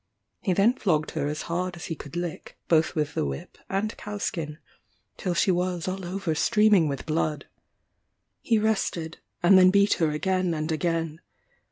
He then flogged her as hard as he could lick, both with the whip and cow skin, till she was all over streaming with blood. He rested, and then beat her again and again.